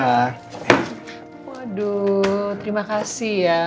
waduh terima kasih ya